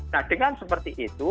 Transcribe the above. nah dengan seperti itu